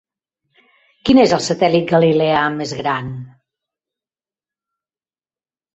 Quin és el satèl·lit galileà més gran?